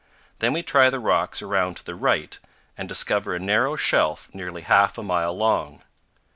Then we try the rocks around to the right and discover a narrow shelf nearly half a mile long.